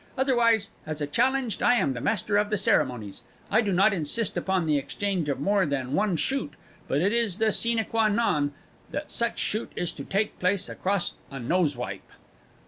Otherwise, as a challenged, I am the Master of the Ceremonies. I do not insist upon the exchange of more than one shoot but it is the sine quâ non that such shoot is to take place across a nosewipe."